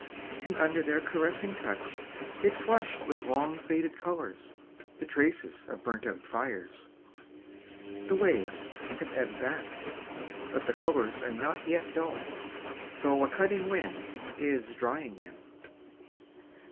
. and under their caressing touch it flushed with long faded colours, the traces of burnt out fires ! The waves have ebbed back ... but the colours are not yet dull, though a cutting wind is drying them.